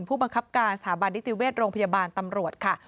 ผู้บังคับการสถาบันนิติเวชโรงพยาบาลตำรวจค่ะ